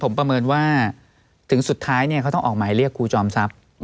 ผมประเมินว่าถึงสุดท้ายเขาต้องออกหมายเรียกครูจอมทรัพย์